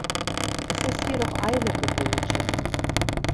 Es ist jedoch Eile geboten.